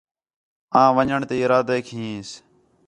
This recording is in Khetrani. آں ون٘ڄݨ تے ارادیک ہنس